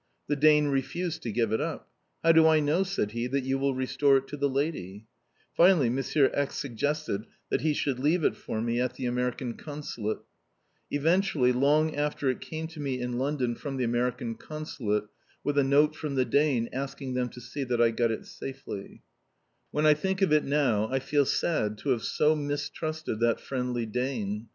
The Dane refused to give it up. "How do I know," said he, "that you will restore it to the lady?" [Illustration: The Danish Doctor's note.] Finally Monsieur X. suggested that he should leave it for me at the American Consulate. Eventually, long after it came to me in London from the American Consulate, with a note from the Dane asking them to see that I got it safely. When I think of it now, I feel sad to have so mistrusted that friendly Dane.